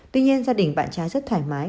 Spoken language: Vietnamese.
tuy nhiên gia đình bạn trai rất thoải mái